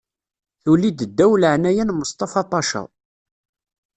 Tuli-d ddaw leɛnaya n Mustafa Paca.